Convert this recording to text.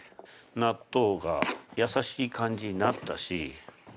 納豆が優しい感じになったし。